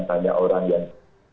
banyak orang yang